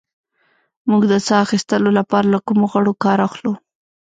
موږ د ساه اخیستلو لپاره له کومو غړو کار اخلو